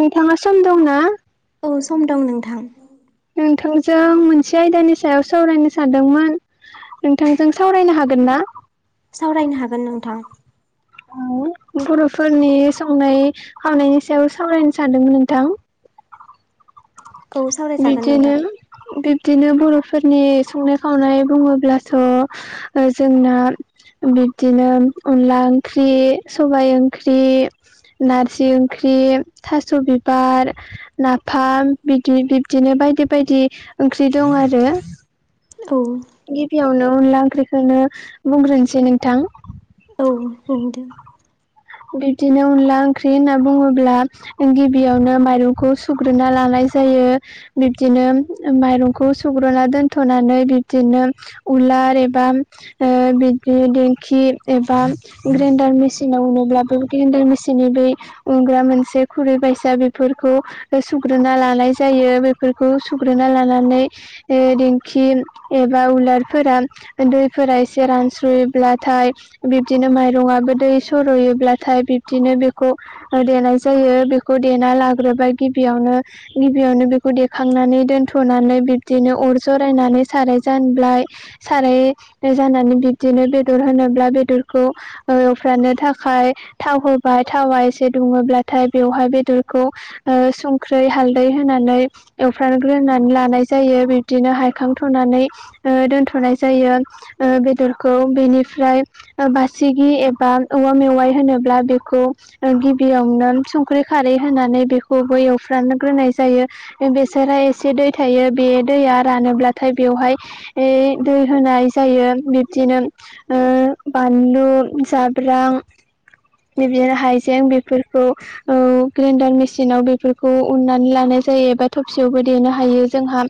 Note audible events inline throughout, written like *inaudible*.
नोंथाङा सम दंना औ सम दं नोंथां नोंथांजों मोनसे आयदानि सायाव सावरायनो सानदोंमोन नोंथांजों सावरायनो हागोन ना सावरायनो हागोन नोंथां बर'फोरनि संनाय खावनायनि सायाव सावरायनो सानदोंमोन नोंथां औ सावरायजागोन नोंथां बिदिनो बिदिनो बर'फोरनि संनाय खावनाय बुङोब्लाथ' जोंना बिब्दिनो अनला ओंख्रि सबाय ओंख्रि नारजि ओंख्रि थास' बिबार नाफाम बिदि बिब्दिनो बायदि बायदि ओंख्रि दं आरो औ यावनो अनला ओंख्रिखौनो बुंग्रोनोसै नोंथां औ बुं दे बिब्दिनो अनला ओंख्रि होनना बुङोब्ला गिबियावनो माइरंखौ सुग्रोना लाङो जानाय जायो बिबदिनो माइरंखौ सुग्रोना दोनथ'नानै बिदिनो उलार एबा बिदिनो दिंखि एबा ग्रेनडार मेसिनाव होयोल्बा *unintelligible* मेसिननि बे उनग्रा मोनसे खुरै बायसा बेफोरखौ सुग्रोना लानाय जायो बेफोरखौ सुग्रोना लानानै दिेंखि एबा उलारफोरा दैफोरा एसे रानस्रुयोब्लाथाय बिबदिनो माइरंआ दै सर'योब्लाथाय बिबदिनो बेखौ देनाय जायो बेखौ देना लाग्रोबाय गिबियावनो गिबियावनो बेखौ देखांनानै दोनथ'नानै बिबदिनो अर जरायनानै साराय जानबाय साराय जानानै बिब्दिनो बेदर होनोब्ला बेदरखौ एवफ्रामनो थाखाय थाव होबाय थावा एसे दुङोब्लाथाय बेवहाय बेदरखौ संख्रै हालदै होनानै एवफ्रानग्रोनानै लानाय जायो बिबदिनो हायखां थनानै जायो बेदरखौ बेनिफ्राय बासि एबा औवा मेवाइ होनोब्ला बेखौ गिबियावनो संख्रि खारै होनानै खौबो एवफ्रानो ग्रोनाय जायो बेसोरा एसे दै थायो बे दैया रानोब्ला थाय बेवहाय दै होनाय जायो बिब्दिनो ओ बानलु जाब्रां बिदिनो हाइजें बेफोरखौ ग्रेनडार मेसिनाव बेफोरखौ उननानै लानाय जायोबा थबसियावबो देनो हायो जोंहा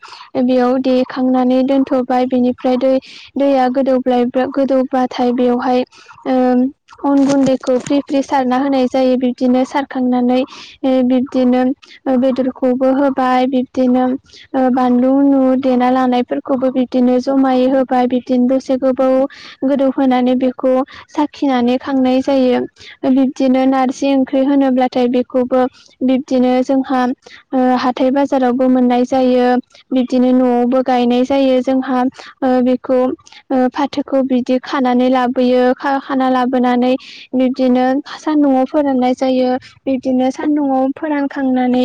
बेयाव दे खांनानै दोनथ'बाय बिनिफ्राय दै दैया गोदौ गोदौबाथाय बेवहाय ओ अन गुन्दैखौ फ्रि फ्रि सारना होनाय जायो बिब्दिनो सारखांनानै बिब्दिनो बेदरखौबो होबा बाय बिब्दिनो बानलु नु देना लानायफोरखौबो बिदिनो जमायै होबाय बिदिनो दसे गोबाव गोदौ होनानै बेखौ खौ साखिनानै खांनाय जायो बिब्दिनो नारजि ओंख्रि होनोब्लाथाय बेखौबो बिब्दिनो जोंहा ओ हाथाय बाजारावबो मोननाय जायो बिब्दिनो न न'आवबो गायनाय जायो जोंहा ओ बेखौ ओ फाथोखौ बिदि खानानै लाबोयो ओ खाना खाना लाबोनानै बिब्दिनो सान्दुंआव फोराननाय जायो बिब्दिनो सान दुङाव फोरानखांनानै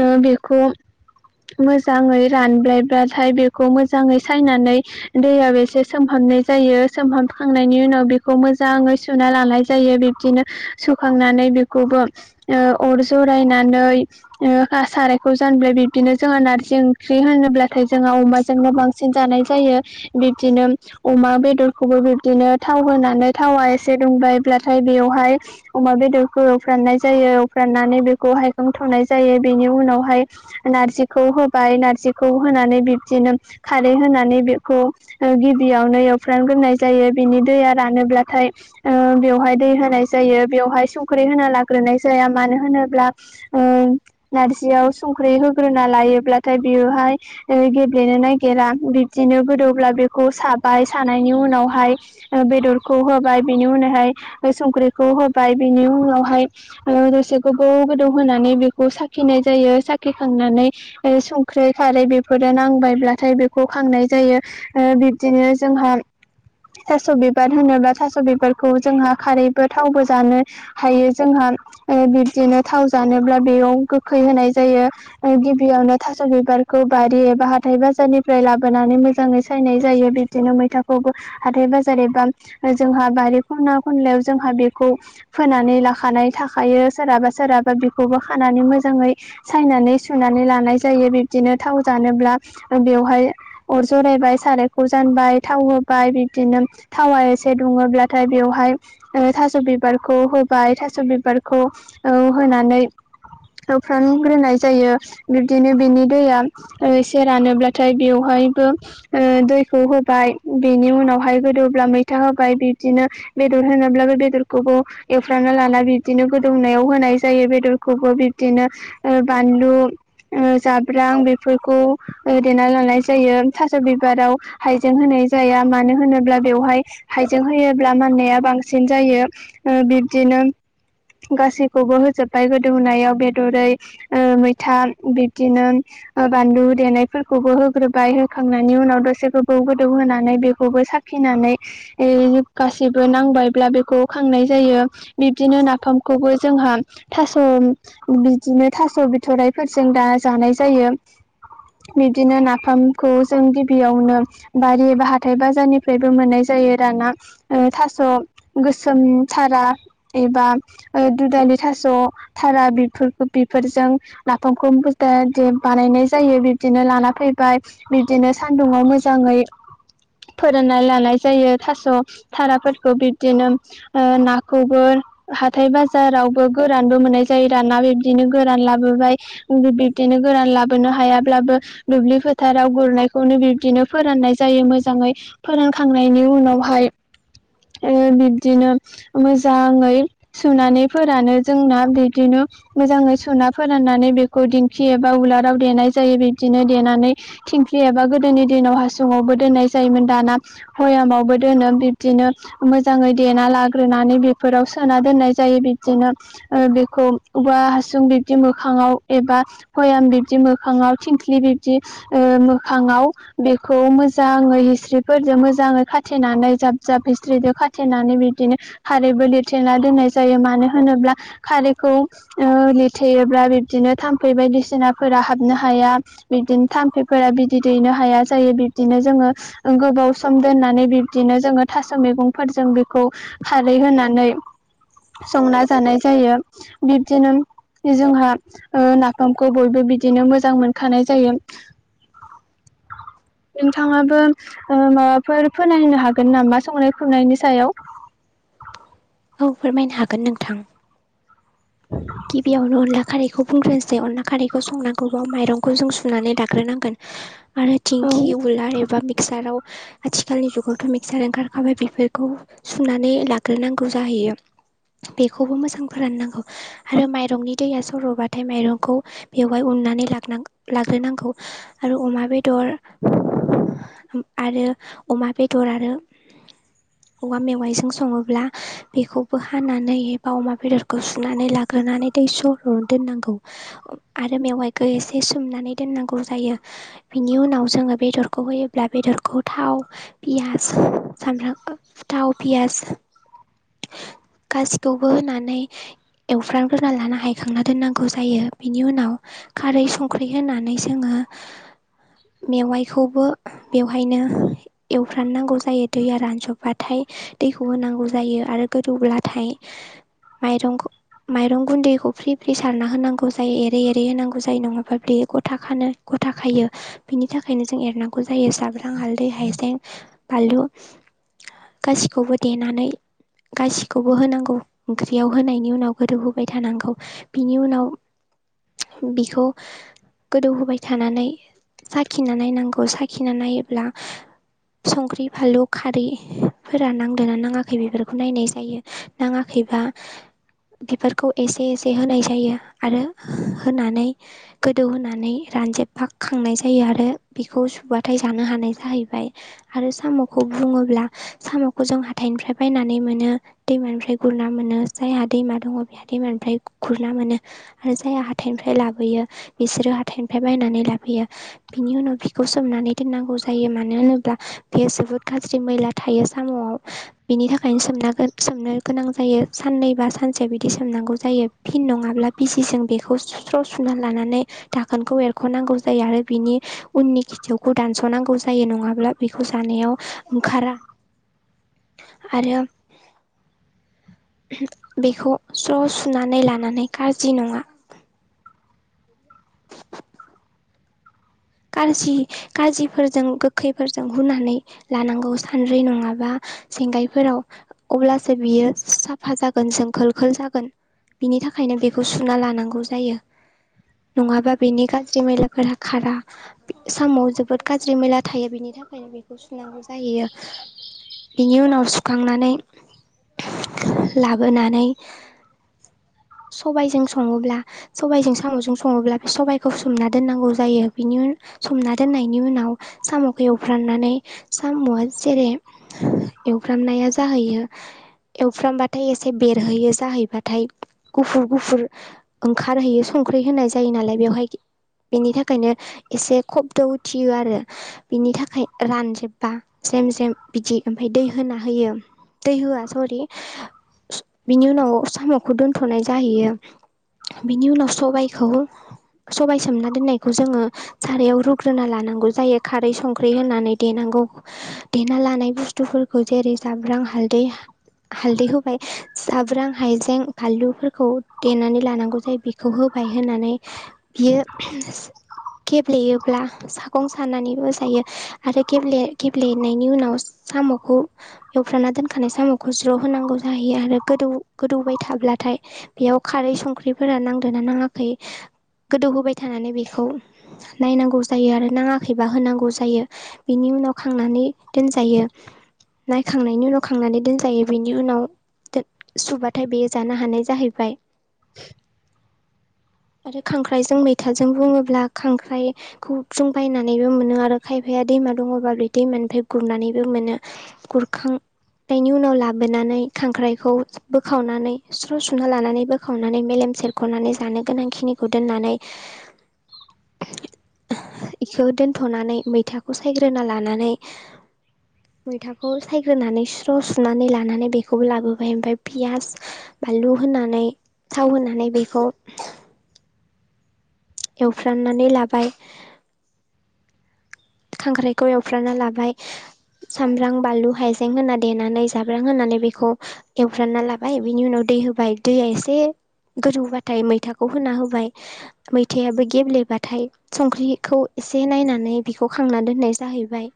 ओ बेखौ मोजाङै रानब्लायबा थाय बेखौ मोजाङै सायनानै दैयाव एसे सोमहाबनाय जायो सोमहाबखांनायनि उनाव बेखौ मोजाङै सुना लानाय जायो बिब्दिनो सुखांनानै बेखौबो ओ अर जरायनानै ओ सारायखौ जानबाय बिब्दिनो जोंहा नारजि ओंख्रि होनोब्ला थाय जोंहा अमाजोंनो बांसिन जानाय जायो बिब्दिनो अमा बेदरखौबो बिब्दिनो थाव होनानै थावा एसे दुंबायब्लाथाय बेवहाय अमा बेदरखौ एवफ्रामनाय जायो एवफ्राम नानै बेखौहाय दोन्थनाय जायो बेनि उनावहाय नारजिखौ होबाय नारजिखौ होनानै बिब्दिनो खारै होनानै बेखौ ओ गिबियावनो एवफ्रामग्रोननाय जायो बिनि दैया रानोब्लाथाय ओ बेवहाय दै होनाय जायो बेवहाय संख्रि होना लाग्रोनाय जाया मा मानो होनोब्ला ओं नारजियाव संख्रि होग्रोना लायोब्लाथाय बेयोहाय ओ गेब्लेनो नागिरा बिब्दिनो गोदौब्ला बेखौ साबाय सानायनि उनावहाय ओ बेदरखौ होबाय बेनि उनावहाय संख्रिखौ होबाय बेनि उनावहाय ओ एसे गोबौ गोदौ होनानै बेखौ साखिनाय जायो साखिखांनानै ओ संख्रै खारै बेफोरो नांबायब्लाथाय बेखौ खांनाय जायो ओ बिब्दिनो जोंहा थास' बिबार होनोब्ला थास' बिबारखौ जोंहा खारैबो थावबो जानो हायो जोंहा ओ बिब्दिनो थाव जानोब्ला बेयाव गोखै होनाय जायो ओ गिबियावनो थास' बिबार खौ बारि एबा हाथाय बाजारनिफ्राय लाबोनानै मोजाङै सायनाय जायो बिब्दिनो मैथाखौबो हाथाय बाजार एबा जोंहा बारि खना खनलायाव जोंहा बेखौ फोनानै लाखानाय थाखायो। यो सोरहाबा सोरहाबा बेखौबो खानानै मोजाङै सायनानै सुनानै लानाय जायो। दिनो थाव जानोब्ला बेवहाय अर जरायबाय सारायखौ जानबाय थाव होबाय। बिदिनो थावा एसे दुङोब्लाथाय बेयावहाय ओ थास' बिबारखौ होबाय थास' बिबा बारखौ होनानै एवफ्राम ग्रोनाय जायो बिब्दिनो बिनि दैया ओ एसेे रानोब्लाथाय बेवहायबो ओ दैखौ होबाय बेनि उनाव आवहाय गोदौब्ला मैथा होबाय बिब्दिनो बेदर होनोब्ला बे बेदरखौबो एवफ्रामना लाना बिदि बिदिनो गोदौनायाव होनाय जायो बेदरखौबो बिब्दिनो ओ बानलु ओ जा ब्रां बेफोरखौ ओ देना लानाय जायो थास' बिबाराव हाइजें होनाय जाया मान नो होनोब्ला बेवहाय हाइजें होयोब्ला माननाया बांसिन जायो ओ बिब्दिनो गासैखौबो होजोबबाय गोदौनायाव बेदरै ओ मैथा बिब्दिनो ओ बानलु देनायफोरखौबो होग्रोबाय होखांनायनि उनाव दसे गोबौ गोदौ होनानै बेखौबो साखिनानै यै गासिबो नांबायब्ला बेखौ खांनाय जायो बिब्दिनो ना फामखौबो जोंहा थास' बिदिनो थास' बिथराइफोरजों दा जानाय जायो। बिब्दिनो नाफामखौ जों गिबियावनो बारि एबा हाथाय बाजारनिफ्रायबो मोननाय जायो। होयो आरो ना ओ थास' गोसोम थारा एबा ओ दुदालि थास' थारा बेफोरखो बेफोरजों नाफामखौ *unintelligible* दि बानायनाय जायो बिब्दिनो लाना फैबाय बिब्दिनो सान्दुङाव मोजाङै फोरानना लानाय जायो थास' थाराफोरखौ बिब्दिनो ओ नाखौबो हाथाय बाजारावबो गोरानबो मोननाय जायो आरो ना बिब्दिनो गोरान लाबोबाय *unintelligible* बिदिनो गोरान लाबोनो हायाब्लाबो दुब्लि फोथाराव गुरनायखौनो बिब्दिनो फोराननाय जायो मोजां यै फोरानखांनायनि उनावहाय ओ बिब्दिनो मोजाङै सुनानै फोरानो। जोंना बिदिनो मोजाङै सुना फोराननानै बेखौ दिंखि एबा उलाराव देनाय जायो। बिब्दिनो देनानै थिंख्लि एबा गोदोनि दिनाव हासुङावबो दोननाय जायोमोन। दाना बयामावबो दोनो बिब्दिनो मोजाङै देना लाग्रोनानै बेफोराव सोना दोननाय जायो। बिब्दिनो ओ बेखौ औवा हासुं बिब्दि मोखाङाव एबा बयाम बिब्दि मोखाङाव थिंख्लि बिब्दि ओ मोखाङाव बेखौ मोजाङै हिस्रिफोरजों मोजाङै खाथिनानै जाब *unintelligible* खाथेनानै बिब्दिनो खारैबो लिरथेना दोननाय जायो, मानो होनोब्ला खारैखौ ओ लिरथेयोब्ला बिबदिनो थाम्फै बायदिसिनाफोरा हाबनो हाया, बिबदिनो थाम्फैफोर ओ बिदै दैनो हाया जायो। बिब्दिनो जोङो ओं गोबाव सम दोननानै बिब्दिनो जोङो था स' मैगंफोरजों बेखौ खारै होनानै संना जानाय जायो। बिबदिनो जोंहा ओ नाफामखौ बयबो बिदिनो मोजां मोनखानाय जायो। नोंथाङाबो ओ माबाफोर फोनायनो हागोन नामा संनाय खुरनायनि सायाव? औ फोरमायनो हागोन नोंथां। गिबियावनो अनला खारैखौ बुंग्रोनोसै। अनला खारैखौ संनांगौबा माइरंखौ जों सुनानै लाग्रोनांगोन आरो औ थिंखि उलार एबा मिक साराव, आथिखालनि जुगावथ' मिक्सार ओंखारखाबाय बेफोरखौ सुनानै लाग्रोनांगौ जाहै यो, बेखौबो मोजां फोराननांगौ आरो माइरंनि दैया सर'बाथाय माइरंखौ बेवहाय उननानै लानां लाग्रोनांगौ। आरो अमा बेदर आरो अमा बेदर आरो औवा मेवाइजों सङोब्ला बेखौबो हानानै एबा अमा बेदरखौ सुनानै ला ग्रोनानै दै सरहोना दोननांगौ आरो मेवाइखौ एसे सोमनानै दोननांगौ जायो। बिनि उनाव जोङो बेदरखौ होयोब्ला बेदरखौ थाव, पियास, सामब्राम थाव, पियास गासिखौबो होनानै एवफ्रामग्रोना लाना हायखांना दोननांगौ जायो। बिनि उनाव खारै संख्रै होनानै जोङो *inaudible* मेवाइखौबो बेवहायनो एवफ्रामनांगौ जायो। दैया रानजोबबाथाय दैखौ होनांगौ जायो आरो गोदौब्लाथाय माइरंखौ माइरं गुन्दैखौ फ्रि फ्रि सारना होनांगौ जायो, एरै एरै होनांगौ जायो, नङाबा बे गथा खानो गथा खायो। बेनि थाखायनो जों एरनांगौ जायो, सामब्राम, हालदै, हाइजें, बानलु गासिखौबो देनानै गासिखौबो होनांगौ। ओंख्रियाव होनायनि उनाव गोदौहौबाय थानांगौ। बिनि उनाव बिखौ गोदौहोबाय थानानै साखिना नायनांगौ। साखिना नायोब्ला संख्रि फानलु खारैफोरा नांदों ना नाङाखै बेफोरखौ नायनाय जायो। नाङाखै बा बिफोरखौ एसे एसे होनाय जायो आरो होनानै गोदौ होनानै रानजोबबा खांनाय जायो आरो बेखौ सुबाथाय जानो हानाय जाहैबाय आरो साम'खौ बुङोब्ला साम'खौ जों हाथाइनिफ्राय बायनानै मोनो, दैमानिफ्राय गुरना मोनो, जायहा दैमा दं बेहा दैमानिफ्राय खुरना मोनो आरो जायहा हाथाइनिफ्राय लाबोयो बिसोरो हाथाइ निफ्राय बायनानै लाफैयो। बिनि उनाव बिखौ सोमनानै दोननांगौ जायो मानो होनोब्ला बेयो जोबोद गाज्रि मैला थायो साम'आव, बिनि थाखायनो सोमनागो सोमनो गोनां जायो साननै बा सानसे बिदि सोमनांगौ जायो। फिन नङाब्ला बिसिजों बेखौ स्र' सुना लानानै दोनखौ एरख'नांगौ जायो आरो बिनि उननि खिथुखौ दानस'नांगौ जायो नङाब्ला बेखौ जानायाव ओंखारा आरो। बेखौ स्र' सुनानै लानानै गाज्रि नङा। कारजि काजिफोरजों गोखैफोरजों हुनानै लानांगौ सानद्रै नङाबा जेंगायफोराव अब्लासो बियो साफा जागोन जों खोल खोल जागोन। बिनि थाखायनो बेखौ सुना लानांगौ जायो। नङाबा बेनि गाज्रि मैलाफोरा खारा। साम'आव जोबोद गाज्रि मैला थायो बिनि थाखायनो बेखौ सुनांगौ जाहैयो। बिनि उनाव सुखांनानै लाबोनानै *inaudible* सबायजों सङोब्ला सबजों साम'जों सङोब्ला बे सबायाइखौ सोमना दोननांगौ जायो। बिनि सोमना दोननायनि उनाव साम'खौ एवफ्रांनानै साम'आ जेरै एवफ्रामनाया जाहैयो। एवफ्रामबाथाय एसे बेरहैयो जाहैबाथाय गुफुर गुफुर ओंखारहैयो संख्रि होनाय जायो नालाय बेवहाय बेनि थाखायनो एसे खबद उथियो आरो बिनि थाखाय रानजोबबा जेम जेम बिदि ओमफाय दै होना होयो दै होआ सरि बिनि उनाव साम'खौ दोनथ'नाय जाहैयो बिनि उनाव सबायखौ सबाय सोमना दोननायखौ जोङो सारायाव रुग्रोना लानांगौ जायो खारै संख्रि होनानै देनांगौ देना लानाय बुस्थु बुस्थुफोरखौ जेरै जाब्रां हाल्दै हालदै होबाय साब्रां हाइजें फानलुफोरखौ देनानै लानांगौ जायो बेखौ होब फाय होनानै बियो गेब्लेयोब्ला सागं सानानैबो जायो आरो गेब्ले गेब्लेनायनि उनाव साम'खौ एवफ्राना दोनखानाय साम'खौ ज्र' होनांगौ जाहैयो आरो गोदौ गोदौबाय थाब्लाथाय बेयाव खारै संख्रिफोरा नांदा नाङाखै गोदौहोबाय थानानै बेखौ नायनांगौ जायो आरो नाङाखैबा होनांगौ जायो बिनि उनाव खांनानै दोनजायो नायखांनायनि उनाव खांनानै दोनजायो बेनि उनाव सुबाथाय बेयो जानो हानाय जाहैबाय *inaudible* आरो खांख्राइजों मैथाजों बुङोब्ला खांख्राइखौ जों बायनानैबो मोनो आरो खायफाया दैमा दङबा बे दैमानिफ्राय गुरनानैबो मोनो मोनो गुरखां नायनि उनाव लाबोनानै खांख्राइखौ बोखावनानै स्र' सुना लानानै बोखावनानै मेलेम सेरख'नानै जानो गोनांखिनिखौ दोननानै इखौ दोनथ'नानै मैथाखौ सायग्रोना लानानै मैथाखौ सायग्रोनानै स्र' सुनानै लानानै बेखौबो लाबोबाय ओमफ्राय पियास बानलु होनानै थाव होनानै बेखौ एवफ्राननानै लाबाय खांख्राइखौ एवफ्राना लाबाय सामब्राम बानलु हाइजें होनना देनानै जाब्रां होननानै बेखौ एवफ्रानना लाबाय बिनि उनाव बि होबाय दै इसे गोदौबाथाय मैथाखौ होना होबाय मैथायाबो गेब्लेबाथाय संख्रिखौ एसे नायनानै बिखौ खांना दोननाय जाहैबाय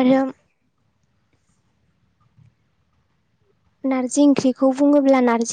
आरो नारजि ओंख्रिखौ बुङोब्ला नारजि